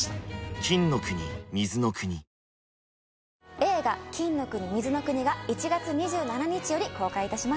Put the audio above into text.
映画『金の国水の国』が１月２７日より公開いたします。